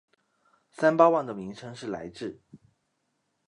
三巴旺的名称是来至。